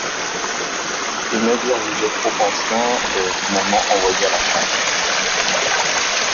Le navire, jugé trop ancien, est finalement envoyé à la casse.